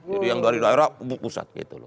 jadi yang dari daerah berpusat gitu loh